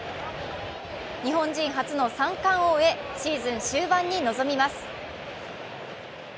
日本人初の三冠王へシーズン終盤に臨みます。